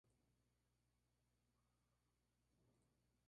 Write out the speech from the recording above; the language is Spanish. Jericho luchó con un brazo amarrado y aun así venció a Patrick.